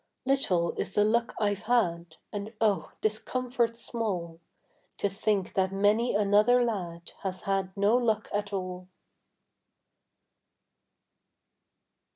Little is the luck I've had, And oh, 'tis comfort small To think that many another lad Has had no luck at all.